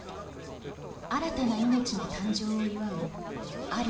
新たな命の誕生を祝うある